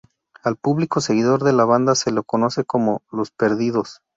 Al público seguidor de la banda se lo conoce como "Los Perdidos".